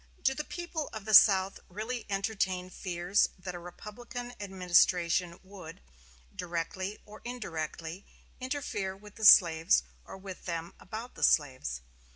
Do the people of the South really entertain fears that a Republican administration would, directly or indirectly, interfere with the slaves, or with them about the slaves?